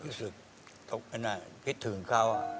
รู้สึกทุกนั้นอะ